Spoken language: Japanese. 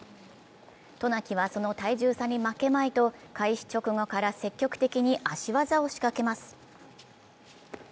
渡名喜はその体重差に負けまいと開始直後から積極的に足技を仕掛けます。